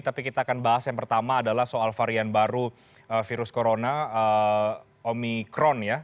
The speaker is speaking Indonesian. tapi kita akan bahas yang pertama adalah soal varian baru virus corona omikron ya